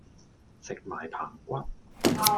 食埋棚骨